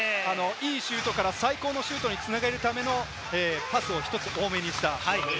シュートから最高のシュートに繋げるためのパスを１つ多めにした。